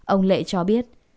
ông lệ cho biết